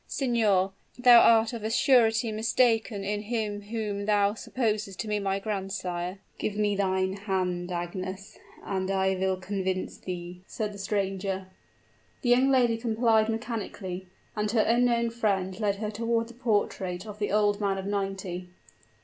Signor, thou art of a surety mistaken in him whom thou supposes to be my grandsire?" "Give me thine hand, Agnes and I will convince thee," said the stranger. The young lady complied mechanically; and her unknown friend led her toward the portrait of the old man of ninety.